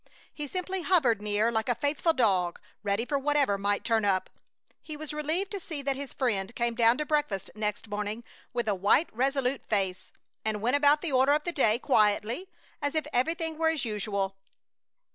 He simply hovered near like a faithful dog, ready for whatever might turn up. He was relieved to see that his friend came down to breakfast next morning, with a white, resolute face, and went about the order of the day quietly, as if everything were as usual.